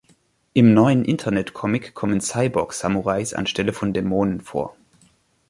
Im neuen Internet-Comic kommen Cyborg-Samurais anstelle von Dämonen vor.